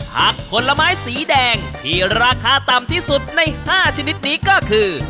ผลไม้สีแดงที่ราคาต่ำที่สุดใน๕ชนิดนี้ก็คือ